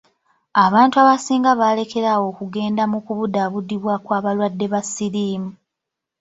Abantu abasinga baalekera awo okugenda mubkubuddaabudibwakw'abalwadde ba siriimu.